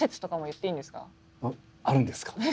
えっあるんですか？